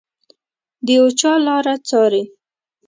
د یو چا لاره څاري